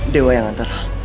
dewa yang antar